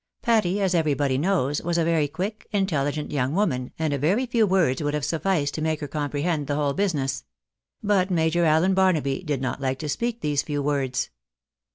Patty, as everybody knows, was a very quick, intelligent young woman, and a very few words would have sufficed to make her comprehend the whole business ; but Major Allen Barnaby did not like to speak these few words.